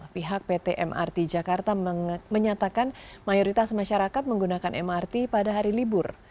pihak pt mrt jakarta menyatakan mayoritas masyarakat menggunakan mrt pada hari libur